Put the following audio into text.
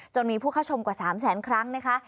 มีผู้เข้าชมกว่า๓แสนครั้งนะคะ